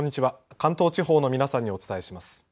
関東地方の皆さんにお伝えします。